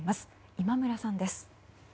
今村さんです。